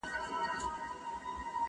یو یار دي زه یم نور دي څو نیولي دینه٫